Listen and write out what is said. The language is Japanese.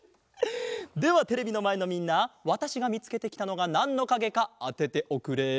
ではテレビのまえのみんなわたしがみつけてきたのがなんのかげかあてておくれ。